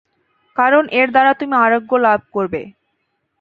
কারণ এর দ্বারা তুমি আরোগ্য লাভ করবে।